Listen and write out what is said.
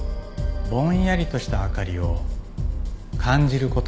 ぼんやりとした明かりを感じる事ができます。